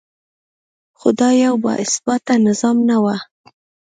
خو دا یو باثباته نظام نه و.